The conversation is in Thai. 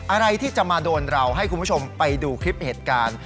อะไรที่จะมาโดนเราให้คุณผู้ชมไปดูคลิปเหตุการณ์